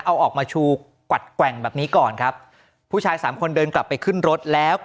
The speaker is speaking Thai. เอาออกมาชูกวัดแกว่งแบบนี้ก่อนครับผู้ชายสามคนเดินกลับไปขึ้นรถแล้ว